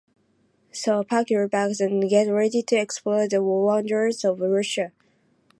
So, pack your bags and get ready to explore the wonders of Russia.